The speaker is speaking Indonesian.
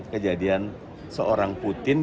kejadian seorang putin